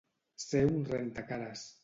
Ser un rentacares.